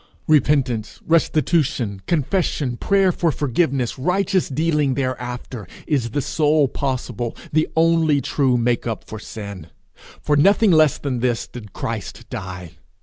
Repentance, restitution, confession, prayer for forgiveness, righteous dealing thereafter, is the sole possible, the only true make up for sin. For nothing less than this did Christ die.